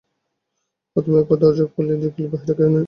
প্রথমে একবার দরজা খুলিয়া সে দেখিল, বাহিরে কেহ নাই।